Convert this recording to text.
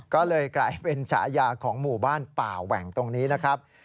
ก็เลยกลายเป็นฉายาของหมู่บ้านป่าแหว่งตรงนี้นะครับ